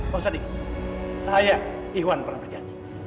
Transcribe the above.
pak ustadz ini saya iwan pernah berjanji